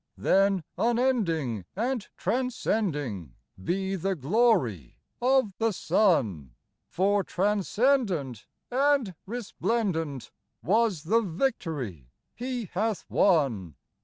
Mi Then, unending and transcending Be the glory of the Son : For transcendent and resplendent Was the victory he hath won.